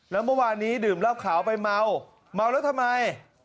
แล้วเมื่อวานนี้ดื่มเหล้าขาวไปเมาเมาแล้วทำไม